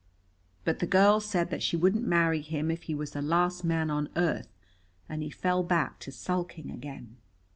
But the girl said that she wouldn't marry him if he was the last man on earth, and he fell back to sulking again.